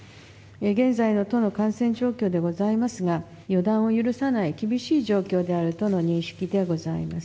現在の都の感染状況でございますが、予断を許さない厳しい状況であるとの認識でございます。